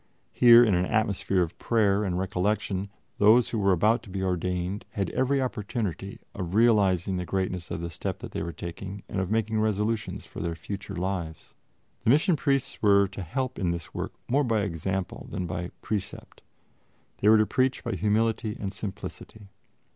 Here, in an atmosphere of prayer and recollection, those who were about to be ordained had every opportunity of realizing the greatness of the step that they were taking and of making resolutions for their future lives. The Mission Priests were to help in this work more by example than by precept; they were to preach by humility and simplicity.